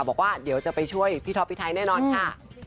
บอกว่าเดี๋ยวจะไปช่วยพี่ท็อปพี่ไทยแน่นอนค่ะ